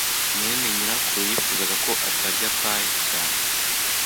mwene nyirakuru yifuzaga ko atarya pie cyane.